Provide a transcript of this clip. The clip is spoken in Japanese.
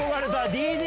ＤＤ？